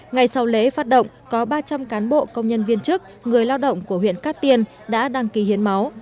ngày sau lễ phát động có ba trăm linh cán bộ công nhân viên chức người lao động của huyện cát tiên đã đăng ký hiến máu